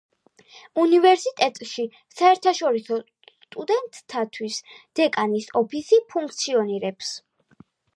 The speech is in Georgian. უნივერსიტეტში საერთაშორისო სტუდენტთათვის დეკანის ოფისი ფუნქციონირებს.